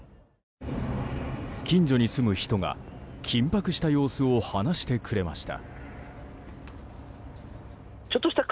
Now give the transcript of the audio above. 近所に住む人が緊迫した様子を話してくれました。